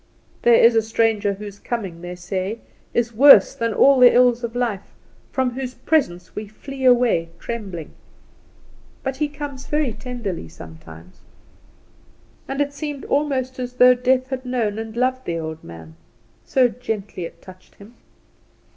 There is a stranger whose coming, they say, is worse than all the ills of life, from whose presence we flee away trembling; but he comes very tenderly sometimes. And it seemed almost as though Death had known and loved the old man, so gently it touched him.